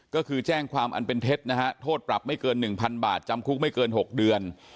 ก็คือแจ้งความอันเป็นเท็จนะฮะโทษปรับไม่เกิน๑๐๐๐บาทจำคุกไม่เกิน๖เดือน